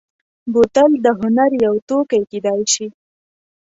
بوتل د هنر یو توکی کېدای شي.